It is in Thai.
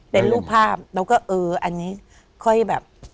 เป็นรูปภาพแล้วก็เอออันนี้ค่อยแบบ